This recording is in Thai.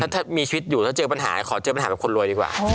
ถ้ามีชีวิตอยู่ถ้าเจอปัญหาขอเจอปัญหาแบบคนรวยดีกว่า